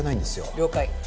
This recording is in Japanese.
了解。